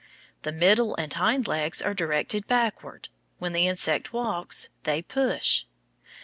The middle and hind legs are directed backward. When the insect walks, they push.